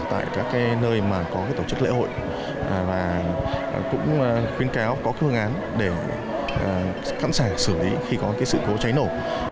tại các nơi mà có tổ chức lễ hội và cũng khuyến cáo có phương án để sẵn sàng xử lý khi có sự cố cháy nổ